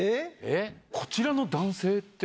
こちらの男性って。